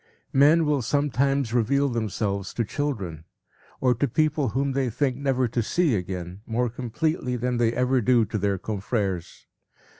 p> Men will sometimes reveal themselves to children, or to people whom they think never to see again, more completely than they ever do to their confreres.